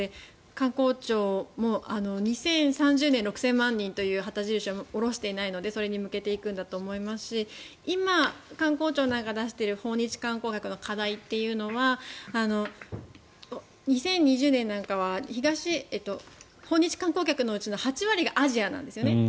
観光庁も２０３０年、６０００万人という旗印を下ろしていないのでそれに向けていくんだと思いますし今、観光庁なんかが出してる訪日観光客の課題というのは２０２０年なんかは訪日観光客のうちの８割がアジアなんですよね。